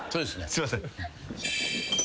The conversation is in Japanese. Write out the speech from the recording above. すいません。